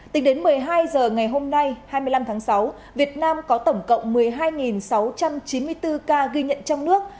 tính đến một mươi hai h ngày hôm nay hai mươi năm tháng sáu việt nam có tổng cộng một mươi hai sáu trăm chín mươi bốn ca ghi nhận trong nước